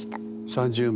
３０万？